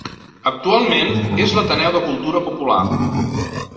Actualment és l'Ateneu de Cultura Popular.